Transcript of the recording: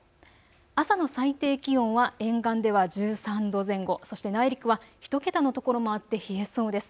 朝の最低気温は沿岸では１３度前後、そして内陸は１桁の所もあって冷えそうです。